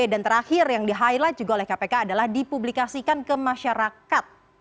dan terakhir yang di highlight juga oleh kpk adalah dipublikasikan ke masyarakat